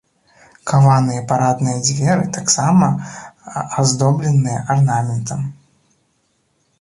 Каваныя парадныя дзверы таксама аздобленыя арнаментам.